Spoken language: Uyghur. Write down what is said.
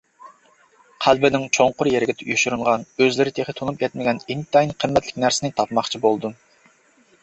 قەلبىنىڭ چوڭقۇر يېرىگە يوشۇرۇنغان، ئۆزلىرى تېخى تونۇپ يەتمىگەن ئىنتايىن قىممەتلىك نەرسىنى تاپماقچى بولدۇم.